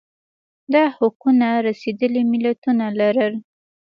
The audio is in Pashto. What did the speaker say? دا حقونه رسېدلي ملتونه لرل